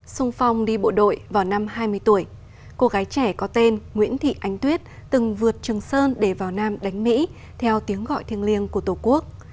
xuân phong đi bộ đội vào năm hai mươi tuổi cô gái trẻ có tên nguyễn thị ánh tuyết từng vượt trường sơn để vào nam đánh mỹ theo tiếng gọi thiêng liêng của tổ quốc